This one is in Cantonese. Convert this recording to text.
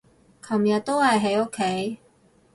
尋日都係喺屋企